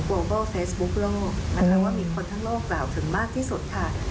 โกรเบิ้ลเฟซบุ๊กโลกนะคะว่ามีคนทั้งโลกแบบถึงมากที่สุดค่ะ